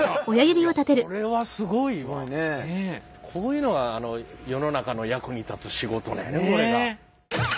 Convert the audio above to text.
こういうのが世の中の役に立つ仕事なんやねこれが。